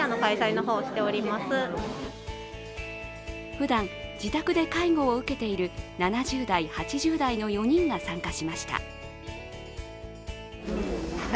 ふだん自宅で介護を受けている７０代、８０代の４人が参加しました。